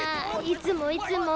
いつもいつも。